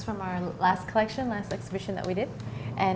dari koleksi terakhir kita yang kita lakukan